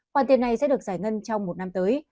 khoản tiền này sẽ được giải ngân trong một năm tới